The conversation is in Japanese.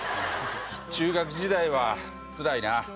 中学時代はつらいな。